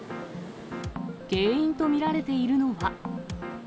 原因と見られているのは。